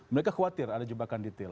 mereka khawatir ada jebakan detail